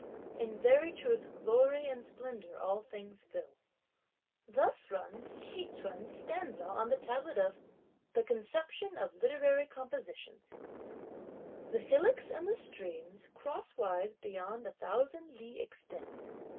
in very truth glory and splendour all things fill! Thus runs Hsi Ch'un's stanza on the tablet of the "Conception of literary compositions": The hillocks and the streams crosswise beyond a thousand li extend!